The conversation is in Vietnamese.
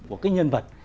của cái nhân vật